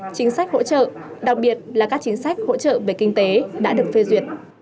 chính sách hỗ trợ đặc biệt là các chính sách hỗ trợ về kinh tế đã được phê duyệt